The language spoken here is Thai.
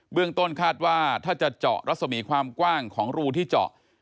เรื่องต้นคาดว่าถ้าจะเจาะรัศมีความกว้างของรูที่เจาะ